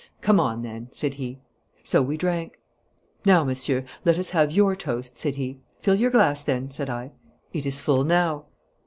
'Come on, then!' said he. So we drank. 'Now, monsieur, let us have your toast,' said he. 'Fill your glass, then,' said I. 'It is full now.'